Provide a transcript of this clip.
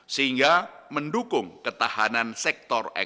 sehingga mendukung ketahanan sektor ekonomi